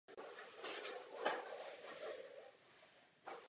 Kupující by si měl vždy prověřit od koho nakupuje.